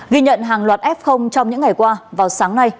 ghi nhận hàng loạt f trong những ngày qua vào sáng nay